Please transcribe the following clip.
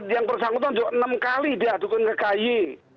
yang bersangkutan juga enam kali diadukin ke kay